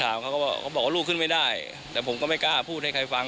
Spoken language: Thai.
เขาก็บอกเขาบอกว่าลูกขึ้นไม่ได้แต่ผมก็ไม่กล้าพูดให้ใครฟัง